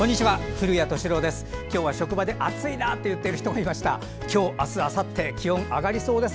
古谷敏郎です。